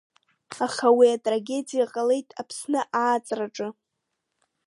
Аха уи атрагедиа ҟалеит Аԥсны ааҵраҿы.